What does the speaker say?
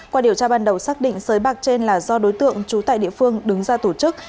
qua điều tra ban đầu xác định sới bạc trên là do đối tượng trú tại địa phương đứng ra tổ chức